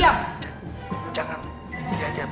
jangan dia aja